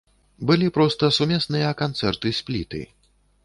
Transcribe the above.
Былі проста сумесныя канцэрты-спліты.